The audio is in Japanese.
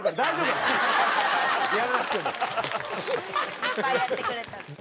いっぱいやってくれた。